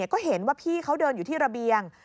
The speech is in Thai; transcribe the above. ก็เห็นว่าพี่เขาเดินอยู่ที่ระเบียง